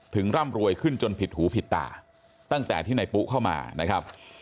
ร่ำรวยขึ้นจนผิดหูผิดตาตั้งแต่ที่นายปุ๊เข้ามานะครับ